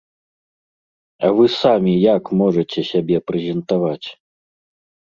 А вы самі як можаце сябе прэзентаваць?